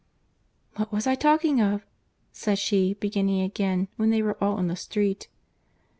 "What was I talking of?" said she, beginning again when they were all in the street.